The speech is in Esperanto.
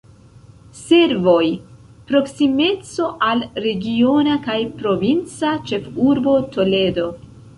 Servoj: proksimeco al regiona kaj provinca ĉefurbo Toledo.